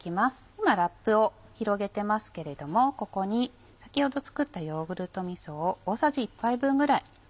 今ラップを広げてますけれどもここに先ほど作ったヨーグルトみそを大さじ１杯分ぐらい。